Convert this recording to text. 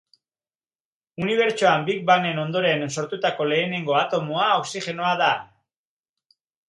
Unibertsoan Big Bang-en ondoren sortutako lehenengo atomoa oxigenoa da.